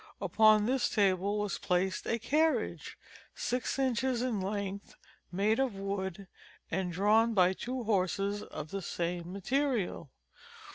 Upon this table was placed a carriage, six inches in length, made of wood, and drawn by two horses of the same material.